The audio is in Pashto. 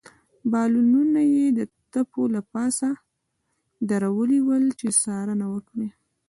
بالونونه يې د تپو له پاسه درولي ول، چې څارنه وکړي.